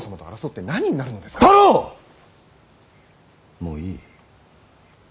もういい。